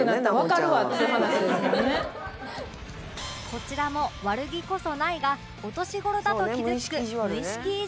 こちらも悪気こそないがお年頃だと傷つく無意識いじわる